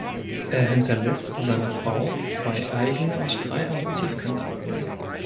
Er hinterlässt seine Frau, zwei eigene und drei Adoptivkinder.